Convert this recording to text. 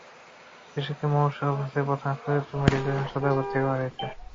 শিশুটিকে মুমূর্ষু অবস্থায় প্রথমে ফরিদপুর মেডিকেল কলেজ হাসপাতালে ভর্তি করা হয়।